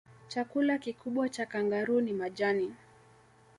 chakula kikubwa cha kangaroo ni majani